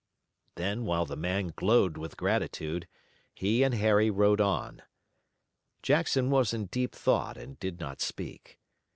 Then while the man glowed with gratitude, he and Harry rode on. Jackson was in deep thought and did not speak.